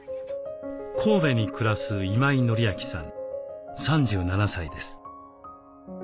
神戸に暮らす今井紀明さん３７歳です。